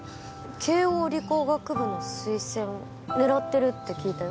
慶應理工学部の推薦狙ってるって聞いたよ